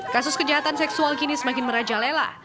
kasus kejahatan seksual kini semakin merajalela